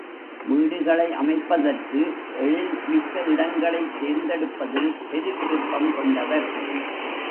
வீடுகளை அமைப்பதற்கு எழில் மிக்க இடங்களைத் தேர்ந்தெடுப்பதில் பெருவிருப்பம் கொண்டவர்.